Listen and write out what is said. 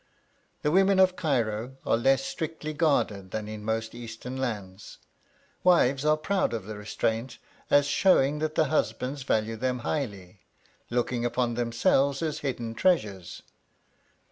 The women of Cairo are less strictly guarded than in most Eastern lands; wives are proud of the restraint as showing that the husbands value them highly, looking upon themselves as hidden treasures.